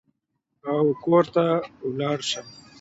او کور ته ولاړ شم.